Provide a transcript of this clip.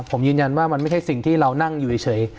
ผมยืนยันว่ามันไม่ใช่สิ่งที่เรานั่งอยู่เฉย